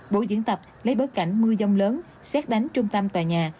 bộ diễn tập lấy bớt cảnh mưa giông lớn xét đánh trung tâm tòa nhà